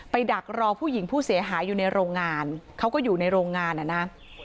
ดักรอผู้หญิงผู้เสียหายอยู่ในโรงงานเขาก็อยู่ในโรงงานอ่ะนะ